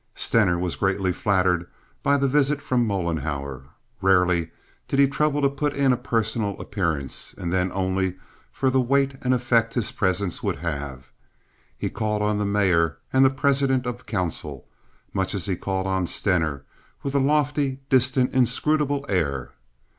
Stener was greatly flattered by the visit from Mollenhauer. Rarely did he trouble to put in a personal appearance, and then only for the weight and effect his presence would have. He called on the mayor and the president of council, much as he called on Stener, with a lofty, distant, inscrutable air.